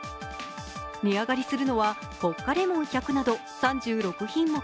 値上がりするのはポッカレモン１００など３６品目。